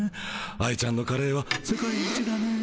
愛ちゃんのカレーは世界一だね。